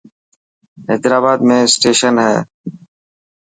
حيدرآباد ۾ اسٽيشن هي.